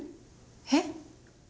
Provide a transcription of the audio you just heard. えっ？